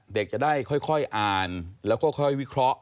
เด็กจะได้ค่อยอ่านแล้วก็ค่อยวิเคราะห